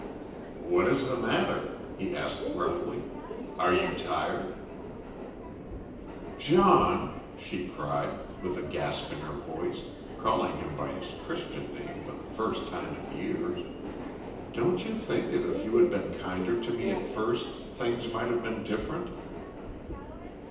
"What is the matter?" he asked gruffly. "Are you tired?" "John," she cried, with a gasp in her voice, calling him by his Christian name for the first time in years, "don't you think that if you had been kinder to me at first, things might have been different?"